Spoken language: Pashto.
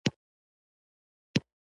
دا د ډېرو تمدنونو د زوال او عروج شاهد دی.